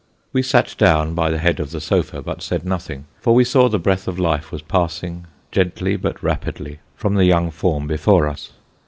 We sat down by the head of the sofa, but said nothing, for we saw the breath of life was passing gently but rapidly from the young form before us.